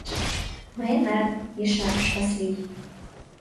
— Мыйынат, — ешарыш Васлий.